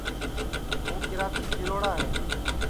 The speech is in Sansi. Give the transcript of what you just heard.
ہُوں کِراچی پھروڑا ہے